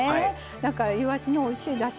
だからいわしのおいしいだし